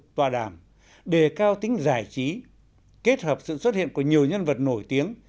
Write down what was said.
tòa đàm đề cao tính giải trí kết hợp sự xuất hiện của nhiều nhân vật nổi tiếng